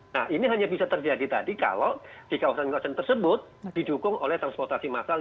nah ini hanya bisa terjadi tadi kalau di kawasan kawasan tersebut didukung oleh transportasi massal